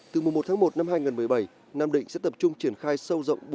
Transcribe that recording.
từ mùa một tháng một năm hai nghìn một mươi bảy nam định sẽ tập trung triển khai sâu rộng